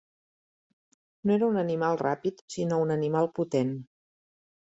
No era un animal ràpid, sinó un animal potent.